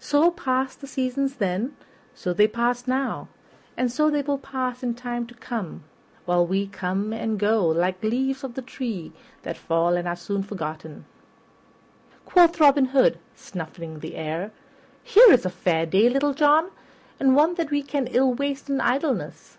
So passed the seasons then, so they pass now, and so they will pass in time to come, while we come and go like leaves of the tree that fall and are soon forgotten. Quoth Robin Hood, snuffing the air, "Here is a fair day, Little John, and one that we can ill waste in idleness.